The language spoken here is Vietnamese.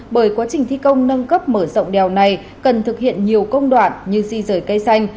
bởi quá trình thi công nâng cấp mở rộng đèo này cần thực hiện nhiều công đoạn như di rời cây xanh